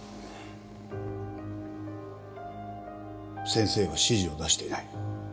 先生は指示を出していない。